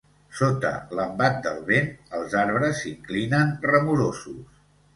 Sota l'embat del vent, els arbres s'inclinen, remorosos.